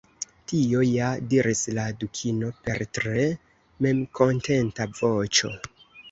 "Tio ja," diris la Dukino per tre memkontenta voĉo."